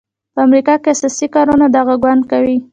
په امریکا کې اساسي کارونه دغه ګوند کوي.